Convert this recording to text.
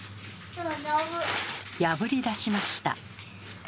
破りだしました。